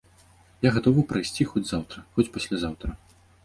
Я гатовы прайсці хоць заўтра, хоць паслязаўтра.